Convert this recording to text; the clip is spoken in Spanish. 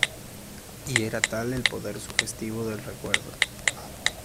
y era tal el poder sugestivo del recuerdo